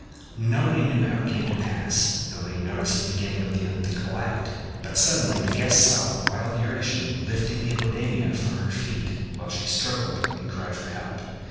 Nobody knew how it came to pass; nobody noticed the beginning of the unthinkable act; but suddenly the guests saw the wild Eurytion lifting Hippodamia from her feet, while she struggled and cried for help.